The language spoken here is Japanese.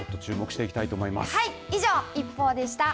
以上、ＩＰＰＯＵでした。